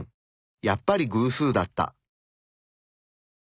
やっぱり偶数だった。